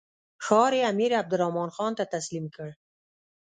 ښار یې امیر عبدالرحمن خان ته تسلیم کړ.